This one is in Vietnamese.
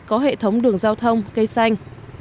có hệ thống đường giao thông cây xanh